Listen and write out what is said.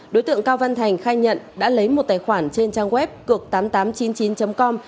đối tượng cao văn thành khai nhận đã lấy một tài khoản trên trang web cực tám nghìn tám trăm chín mươi chín com